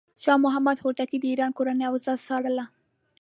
شاه محمود هوتکی د ایران کورنۍ اوضاع څارله.